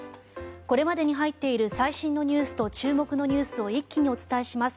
これまでに入っている最新のニュースと注目のニュースを一気にお伝えします。